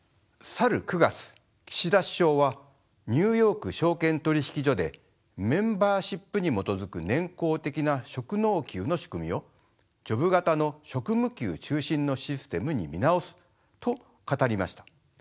去る９月岸田首相はニューヨーク証券取引所でメンバーシップに基づく年功的な職能給の仕組みをジョブ型の職務給中心のシステムに見直すと語りました。